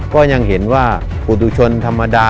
ก็ยังเห็นว่าอุตุชนธรรมดา